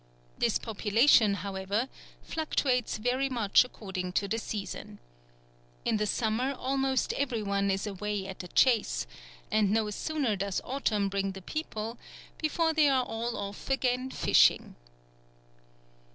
This population, however, fluctuates very much according to the season. In the summer almost every one is away at the chase, and no sooner does autumn bring the people before they are all off again fishing.